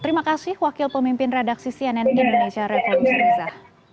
terima kasih wakil pemimpin redaksi cnn indonesia revo husniza